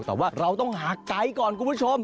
แต่ว่าเราต้องหาไกด์ก่อนคุณผู้ชม